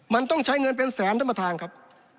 มันต้องใช้เงินเป็นแสนท่านประธานครับ